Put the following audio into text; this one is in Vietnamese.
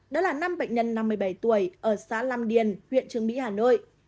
đó là năm bệnh nhân năm mươi bảy tuổi ở xã lam điền huyện trường mỹ hà nội